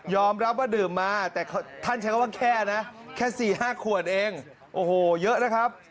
รับว่าดื่มมาแต่ท่านใช้คำว่าแค่นะแค่๔๕ขวดเองโอ้โหเยอะนะครับ